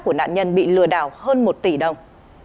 của nạn nhân bị lừa đảo hơn một tỷ đồng